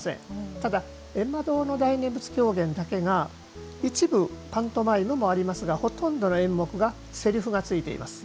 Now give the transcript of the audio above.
ただゑんま堂の大念仏狂言だけが一部パントマイムもありますがほとんどの演目がせりふがついています。